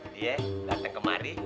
dia datang kemari